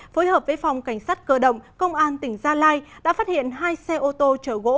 phối hợp với phòng cảnh sát cơ động công an tỉnh gia lai đã phát hiện hai xe ô tô chở gỗ